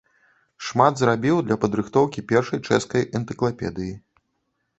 Шмат зрабіў для падрыхтоўкі першай чэшскай энцыклапедыі.